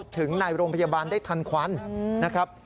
ถึงในโรงพยาบาลได้ทันควันนะครับ